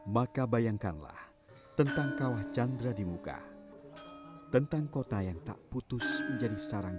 maka bayangkanlah tentang kawah chandra di muka tentang kota yang tak putus menjadi sarang